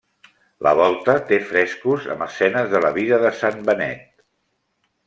La volta té frescos amb escenes de la vida de Sant Benet.